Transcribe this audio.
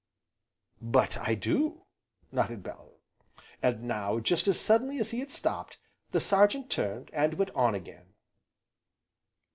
"But I do!" nodded Bellew. And now, just as suddenly as he had stopped, the Sergeant turned, and went on again.